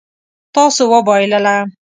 تاسو وبایلله